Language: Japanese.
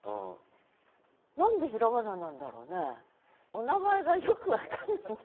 お名前がよく分かんないんだ。